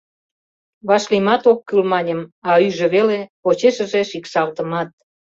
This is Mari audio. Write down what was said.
Вашлиймат ок кӱл маньым, а ӱжӧ веле — почешыже шикшалтымат.